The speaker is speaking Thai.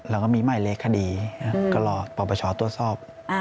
แล้วก็มีใหม่เลขคดีกรอดปรบประชาตัวทรอบ